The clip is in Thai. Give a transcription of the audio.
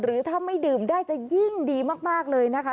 ถ้าไม่ดื่มได้จะยิ่งดีมากเลยนะคะ